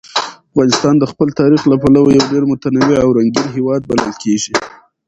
افغانستان د خپل تاریخ له پلوه یو ډېر متنوع او رنګین هېواد بلل کېږي.